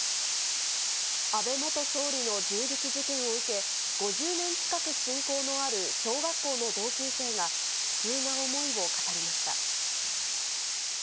安倍元総理の銃撃事件を受け、５０年近く親交のある小学校の同級生が、悲痛な思いを語りました。